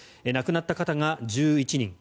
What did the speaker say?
亡くなった方が１１人。